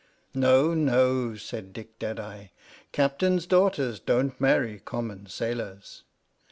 " No, no," said Dick Deadeye, " Captains' daugh ters don't marry common sailors."